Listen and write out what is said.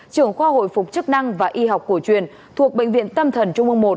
trưởng khoa hồi phục chức năng và y học cổ truyền thuộc bệnh viện tâm thần trung ương một